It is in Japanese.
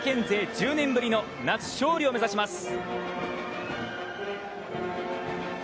１０年ぶりの夏勝利を目指します。